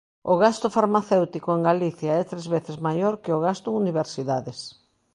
O gasto farmacéutico en Galicia é tres veces maior que o gasto en universidades.